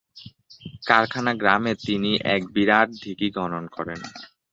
কারখানা গ্রামে তিনি এক বিরাট দীঘি খনন করেন।